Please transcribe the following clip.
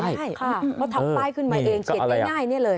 มันไปได้มันทำปลายขึ้นมาเองเขียนได้ง่ายนี่เลย